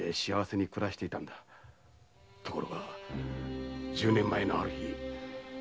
ところが十年前のある日。